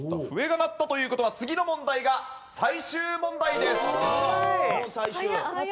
笛が鳴ったという事は次の問題が最終問題です。ああ！